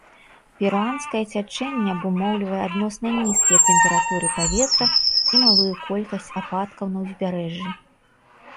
Перуанскае цячэнне абумоўлівае адносна нізкія тэмпературы паветра і малую колькасць ападкаў на ўзбярэжжы.